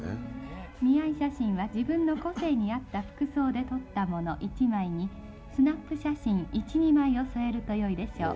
見合い写真は自分の個性に合った服装で撮ったもの１枚に、スナップ写真１、２枚を添えるとよいでしょう。